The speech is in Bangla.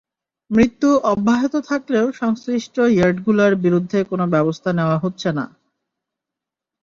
মৃত্যু অব্যাহত থাকলেও সংশ্লিষ্ট ইয়ার্ডগুলোর বিরুদ্ধে কোনো ব্যবস্থা নেওয়া হচ্ছে না।